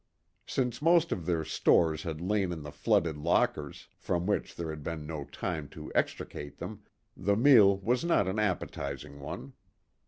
Since most of their stores had lain in the flooded lockers, from which there had been no time to extricate them, the meal was not an appetising one.